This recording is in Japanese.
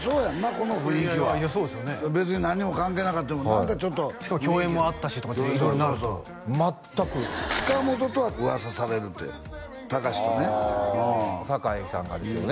この雰囲気は別に何も関係なくても何かちょっとしかも共演もあったしとかそう全く塚本とは噂されるって高史とねあ酒井さんがですよね